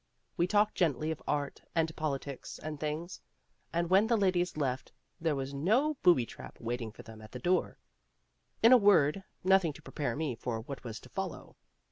We talked gently of art and politics and things; and when the ladies left there was no booby trap waiting for them at the door. In a word, nothing to prepare me for what was to follow.